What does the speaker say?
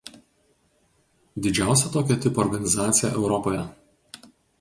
Didžiausia tokio tipo organizacija Europoje.